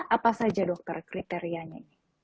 apa saja dokter kriterianya